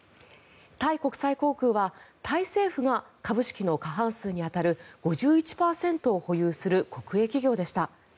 タイ国際航空はタイ政府が株式の過半数に当たる５１％を保有する国営企業でした。